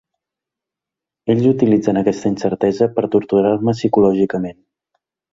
Ells utilitzen aquesta incertesa per torturar-me psicològicament.